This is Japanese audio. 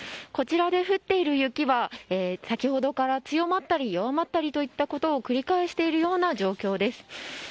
こちらで降っている雪は先ほどから強まったり弱まったりを繰り返しているような状況です。